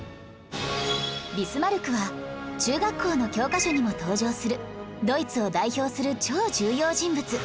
ビスマルクは中学校の教科書にも登場するドイツを代表する超重要人物